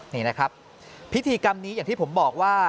นี่นะครับพิธีกรรมนี้อย่างที่ผมบอกว่า